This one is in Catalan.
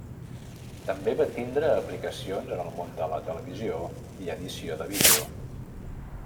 També va tindre aplicacions en el món de la televisió i edició de vídeo.